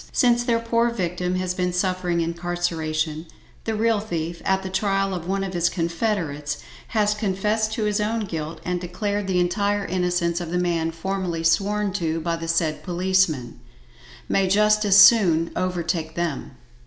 Since their poor victim has been suffering incarceration, the real thief, at the trial of one of his confederates, has confessed to his own guilt, and declared the entire innocence of the man formerly sworn to by the said policemen. May justice soon overtake them.